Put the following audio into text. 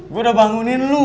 gue udah bangunin lo